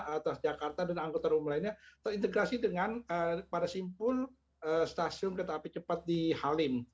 atas jakarta dan angkutan umum lainnya terintegrasi dengan pada simpul stasiun kereta api cepat di halim